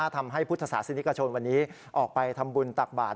ทำให้พุทธศาสตร์สินิกชนวันนี้ออกไปทำบุญตากบาท